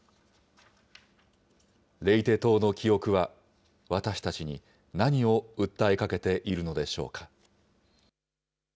レイテ島の記憶は、私たちに何を訴えかけているのでしょうか。